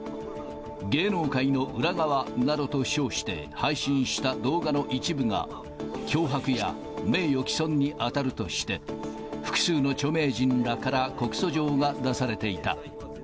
芸能界の裏側などと称して配信した動画の一部が、脅迫や名誉棄損に当たるとして、複数の著名人らから告訴状が出されていた。